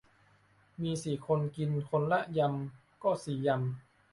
มีสี่คน กินคนละยำก็สี่ยำ